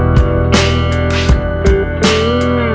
ya sure sama